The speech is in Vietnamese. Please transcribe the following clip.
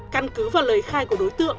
căn cứ vào lời khai của đối tượng